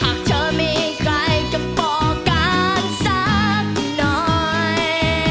หากเธอมีใครจะบอกกันสักหน่อย